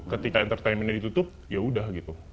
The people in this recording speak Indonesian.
ketika entertainmentnya ditutup ya udah gitu